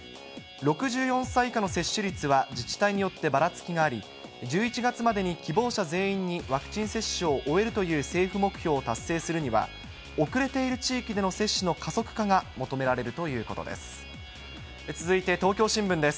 ６４歳以下の接種率は自治体によってばらつきがあり、１１月までに希望者全員にワクチン接種を終えるという政府目標を達成するには、遅れている地域での接種の加速化が求められるということです。